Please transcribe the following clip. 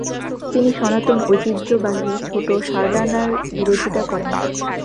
তিনি সনাতন ঐতিহ্যবাহী ছোট সারডানার বিরোধিতা করেন।